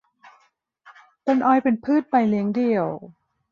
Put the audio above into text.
ต้นอ้อยเป็นพืชใบเลี้ยงเดี่ยว